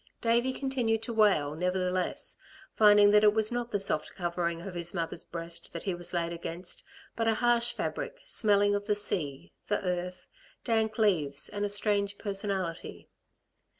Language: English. Davey continued to wail, nevertheless, finding that it was not the soft covering of his mother's breast that he was laid against, but a harsh fabric, smelling of the sea, the earth, dank leaves and a strange personality.